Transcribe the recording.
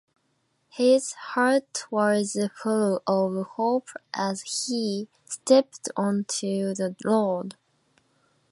His heart was full of hope as he stepped onto the road.